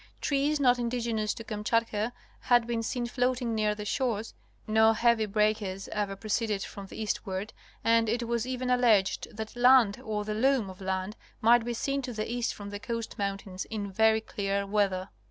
Trees not indigenous to Kamchatka had been seen floating near the shores, no heavy breakers ever proceeded from the eastward and it was even alleged that land or the loom of land might be seen to the east from the coast mountains in very clear weather.